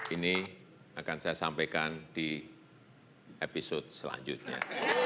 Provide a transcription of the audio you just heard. ini akan saya sampaikan di episode selanjutnya